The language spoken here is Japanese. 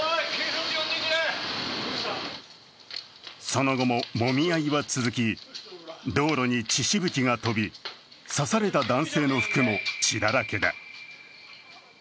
その後ももみ合いは続き、道路に血しぶきが飛び刺された男性の服も血だらけだ。